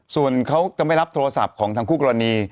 ส่วนเขาก็ไม่รับโทรศัพท์ของทางคู่กรณี